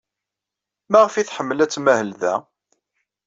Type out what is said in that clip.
Maɣef ay tḥemmel ad tmahel da?